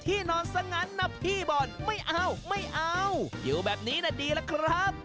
ตอนนี้นะดีแล้วครับ